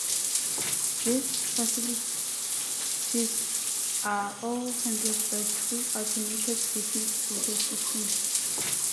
These facilities are all handled by true Automated Business Process systems.